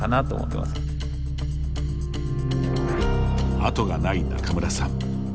後がない仲邑さん。